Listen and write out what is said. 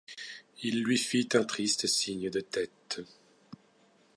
Il lui fit un triste signe de tête.